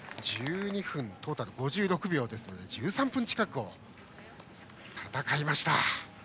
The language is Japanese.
トータル１２分５６秒ですから１３分近くを戦いました。